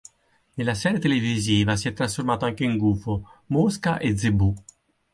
Nella serie televisiva si è trasformato anche in gufo, Mosca e Zebù.